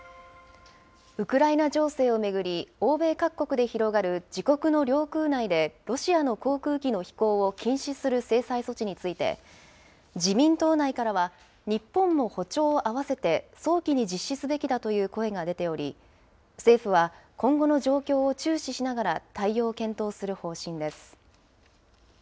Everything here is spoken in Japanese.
ウクライナ情勢を巡り、欧米各国で広がる自国の領空内でロシアの航空機の飛行を禁止する制裁措置について、自民党内からは、日本も歩調を合わせて早期に実施すべきだという声が出ており、政府は今後の状況を注視しながら対応を検討する方針です。